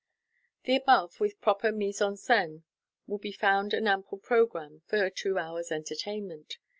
The above, with proper mise en scene, will be found an ample programme for a two hours' entertainment.